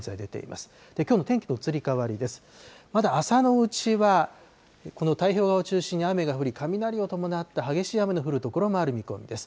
まだ朝のうちは、この太平洋側を中心に雨が降り、雷を伴って、激しい雨の降る所もある見込みです。